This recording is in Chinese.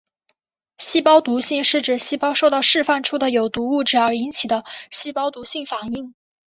细胞毒性是指细胞受到释放出的有毒物质而引起的细胞毒性反应。